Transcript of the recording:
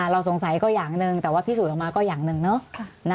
เราสงสัยก็อย่างหนึ่งแต่ว่าพิสูจน์ออกมาก็อย่างหนึ่งเนอะ